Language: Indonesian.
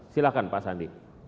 silahkan pak sandi